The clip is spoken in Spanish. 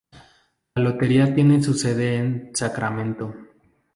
La lotería tiene su sede en Sacramento.